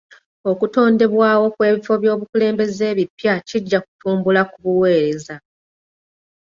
Okutondebwawo kw'ebifo by'obukulembeze ebipya kijja kutumbula ku buweereza.